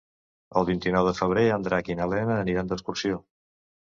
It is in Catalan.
El vint-i-nou de febrer en Drac i na Lena aniran d'excursió.